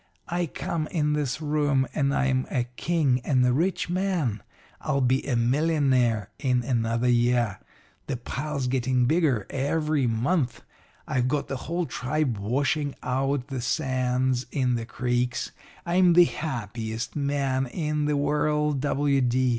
I come in this room, and I'm a king and a rich man. I'll be a millionaire in another year. The pile's getting bigger every month. I've got the whole tribe washing out the sands in the creeks. I'm the happiest man in the world, W.